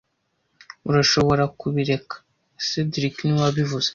Urashobora kubireka cedric niwe wabivuze